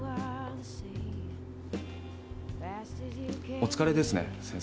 お疲れですね先生。